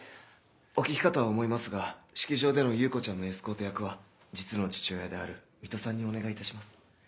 お聞きかとは思いますが式場での優子ちゃんのエスコート役は実の父親である水戸さんにお願いいたします。